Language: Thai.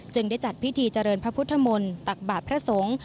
ได้จัดพิธีเจริญพระพุทธมนตักบาทพระสงฆ์